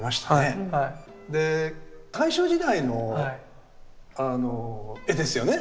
で大正時代の絵ですよね。